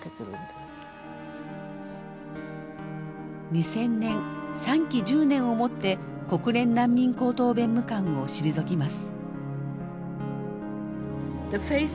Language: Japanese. ２０００年３期１０年をもって国連難民高等弁務官を退きます。